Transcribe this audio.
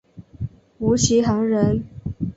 吴其沆人。